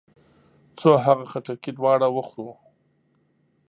څو هغه خټکي دواړه وخورو.